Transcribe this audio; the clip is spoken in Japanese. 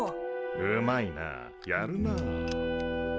うまいなやるなあ。